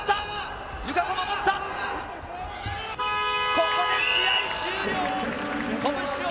ここで試合終了。